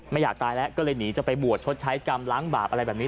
อยากตายแล้วก็เลยหนีจะไปบวชชดใช้กรรมล้างบาปอะไรแบบนี้